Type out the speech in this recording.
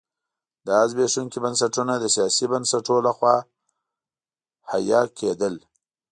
دا زبېښونکي بنسټونه د سیاسي بنسټونو لخوا حیه کېدل.